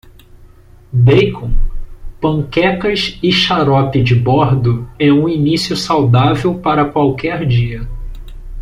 Bacon? panquecas e xarope de bordo é um início saudável para qualquer dia.